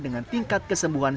dengan tingkat keseluruhan